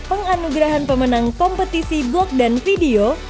penganugerahan pemenang kompetisi box dan video